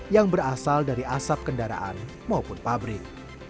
yang berasal dari asap kendaraan maupun pabrik